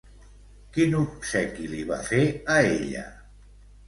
Quin obsequi li va fer a ella?